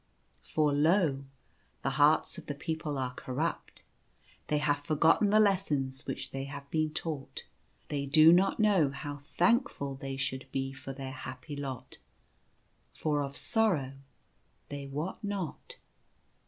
For lo ! the hearts of the people are corrupt. They have forgotten the lessons which they have been taught. They do not know how thankful they should be for their happy lot, for of sorrow they wot not.